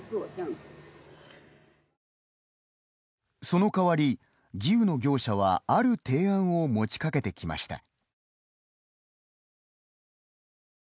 そのかわり、義烏の業者はある提案を持ちかけてきました。